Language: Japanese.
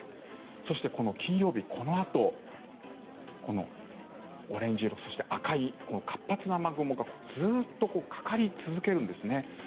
そして、金曜日このあと、オレンジ色そして赤い活発な雨雲がずっとかかり続けるんですね。